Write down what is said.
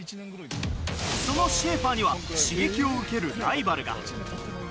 そのシェーファーには刺激を受けるライバルが。